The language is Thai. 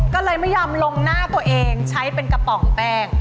ก็เลยไม่ยอมลงหน้าตัวเองใช้เป็นกระป๋องแป้ง